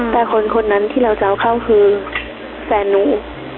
แต่คนคนนั้นที่เราจะเอาเข้าคือแฟนหนู